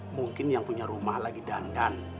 mungkin yang punya rumah lagi dandan